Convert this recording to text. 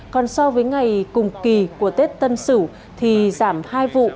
còn so với ngày cùng kỳ của tết tân sửu thì giảm hai vụ